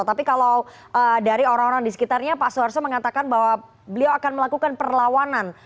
tapi kalau dari orang orang di sekitarnya pak suarso mengatakan bahwa beliau akan melakukan perlawanan